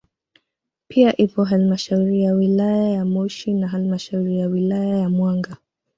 Pia ipo halmashauri ya wilaya ya Moshi na halmashauri ya wilaya ya Mwanga